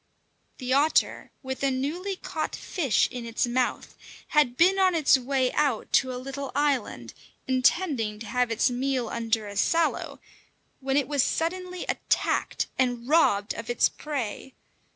The otter, with a newly caught fish in its mouth, had been on its way out to a little island, intending to have its meal under a sallow, when it was suddenly attacked and robbed of its prey.